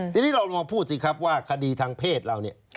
ทีนี้เราลองพูดสิครับว่าคดีทางเพศเราเนี่ย